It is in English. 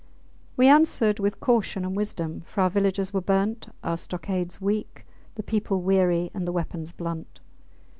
We answered with caution and wisdom, for our villages were burnt, our stockades weak, the people weary, and the weapons blunt.